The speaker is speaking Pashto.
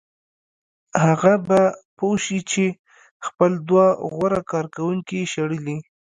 هغه به پوه شي چې خپل دوه غوره کارکوونکي یې شړلي